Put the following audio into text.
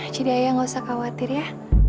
jadi ayah gak usah khawatir ya